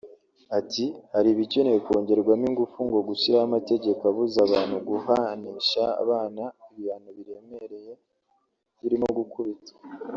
Ati “Hari ibikenewe kongerwamo ingufu nko gushyiraho amategeko abuza abantu guhanisha abana ibihano biremereye birimo gukubitwa